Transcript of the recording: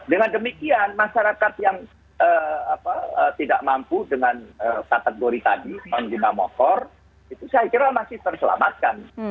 dengan demikian masyarakat yang tidak mampu dengan kategori tadi menggunakan motor itu saya kira masih terselamatkan